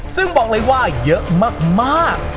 ซึ่งบอกเลยว่าเยอะมาก